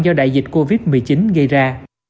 do đại dịch covid một mươi chín gây ra